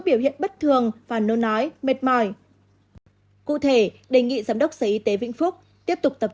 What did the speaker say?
biểu hiện bất thường và nôn ói mệt mỏi cụ thể đề nghị giám đốc sở y tế vĩnh phúc tiếp tục tập